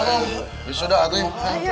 ini sudah atuh ya